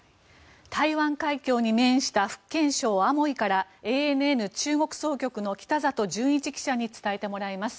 台湾海峡に面した福建省アモイからＡＮＮ中国総局の北里純一記者に伝えてもらいます。